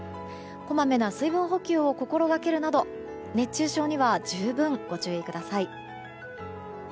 こまめな水分補給を心掛けるなど熱中症には十分ご注意ください。